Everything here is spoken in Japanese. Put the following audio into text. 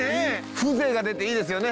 風情が出ていいですよね。